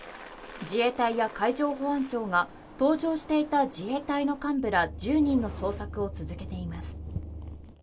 自衛隊や海上保安庁が搭乗していた自衛隊の幹部ら１０人の捜索を続けています。